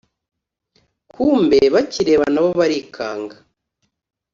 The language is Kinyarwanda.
kumbe bakireba nabo barikanga